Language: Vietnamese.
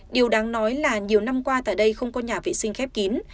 điều đáng nói là nhiều năm qua tại đây không có nhà vệ sinh khép kín